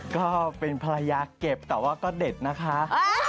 ก็เป็นภรรยาเก็บแต่ว่าก็เด็ดนะคะ